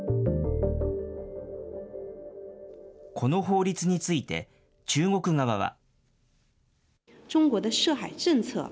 この法律について、中国側は。